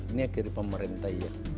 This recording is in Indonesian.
ini akhirnya pemerintah ya